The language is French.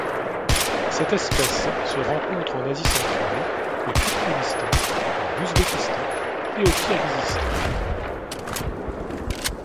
Cette espèce se rencontre en Asie centrale au Turkménistan, en Ouzbékistan et au Kirghizistan.